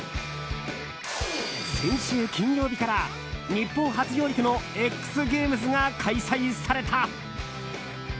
先週金曜日から日本初上陸のＸＧＡＭＥＳが開催された。